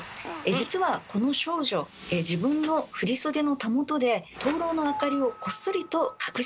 実はこの少女自分の振り袖のたもとで灯籠の明かりをこっそりと隠しています。